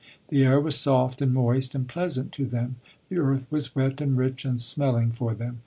The air was soft and moist and pleasant to them. The earth was wet and rich and smelling for them.